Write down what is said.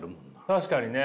確かにね！